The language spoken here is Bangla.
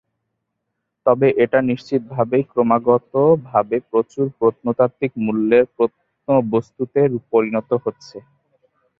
তবে, এটা নিশ্চিতভাবেই ক্রমাগতভাবে প্রচুর প্রত্নতাত্ত্বিক মূল্যের প্রত্নবস্তুতে পরিণত হচ্ছে।